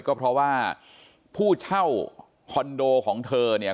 ก็เพราะว่าผู้เช่าคอนโดของเธอเนี่ย